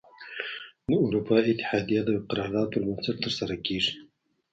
د اروپا اتحادیه د یوه قرار داد پر بنسټ تره سره کیږي.